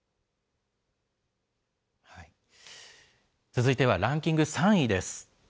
続いてはランキング３位です。